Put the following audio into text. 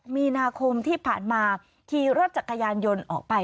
มีนาคมที่ผ่านมาขี่รถจักรยานยนต์ออกไป